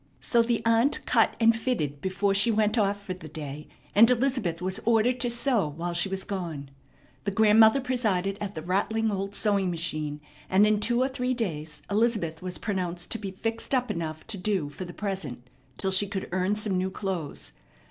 So the aunt cut and fitted before she went off for the day, and Elizabeth was ordered to sew while she was gone. The grandmother presided at the rattling old sewing machine, and in two or three days Elizabeth was pronounced to be fixed up enough to do for the present till she could earn some new clothes.